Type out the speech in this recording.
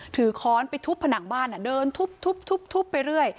ถือค้อนไปทุบผนังบ้านน่ะเดินทุบทุบทุบทุบไปเรื่อย